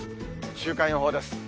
週間予報です。